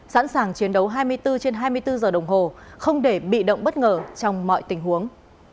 sẵn sàng chiến đấu hai mươi bốn trên hai mươi bốn giờ đồng hồ không để bị động bất ngờ trong mọi tình huống